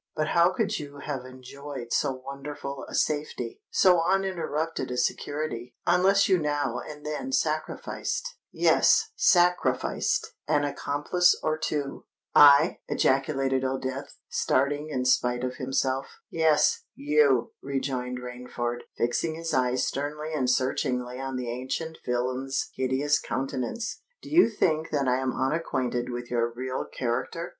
But how could you have enjoyed so wonderful a safety—so uninterrupted a security, unless you now and then sacrificed—yes, sacrificed—an accomplice or two?" "I!" ejaculated Old Death, starting in spite of himself. "Yes—you," rejoined Rainford, fixing his eyes sternly and searchingly on the ancient villain's hideous countenance. "Do you think that I am unacquainted with your real character?